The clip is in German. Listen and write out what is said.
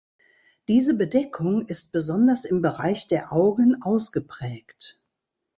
Diese Bedeckung ist besonders im Bereich der Augen ausgeprägt.